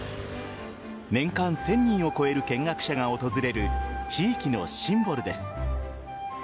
年間１０００人を超える見学者が訪れる地域のシンボルです。